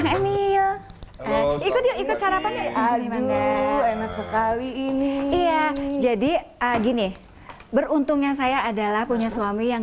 emil ikut yuk ikut sarapan ya enak sekali ini iya jadi gini beruntungnya saya adalah punya suami yang